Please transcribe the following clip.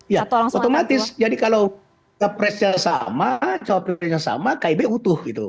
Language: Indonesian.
ya otomatis jadi kalau capresnya sama cawapresnya sama kib utuh gitu